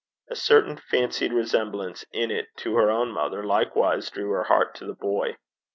A certain fancied resemblance in it to her own mother likewise drew her heart to the boy.